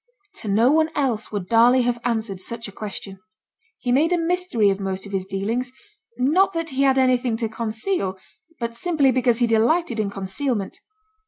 To no one else would Darley have answered such a question. He made a mystery of most of his dealings; not that he had anything to conceal, but simply because he delighted in concealment.